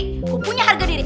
gue punya harga diri